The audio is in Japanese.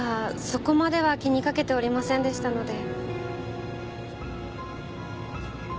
そこまでは気にかけておりませんでしたので。